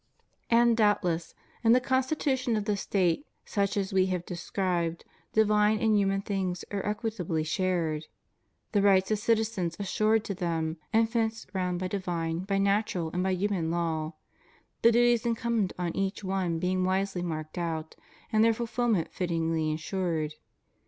And, doubt less, in the constitution of the State such as we have described, divine and human things are equitably shared; the rights of citizens assured to them, and fenced round by divine, by natural, and by human law; the duties incumbent on each one being wisely marked out, and their fulfilment fittingly insured.